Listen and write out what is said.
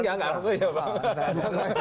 enggak enggak harusnya bang